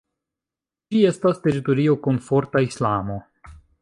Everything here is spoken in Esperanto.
Ĝi estas teritorio kun forta islamo.